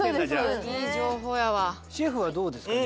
シェフはどうですか？